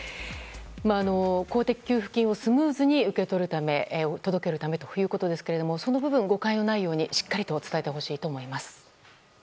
公的給付金をスムーズに届けるためということですがその部分、誤解のないようにしっかりと伝えてほしいと思います。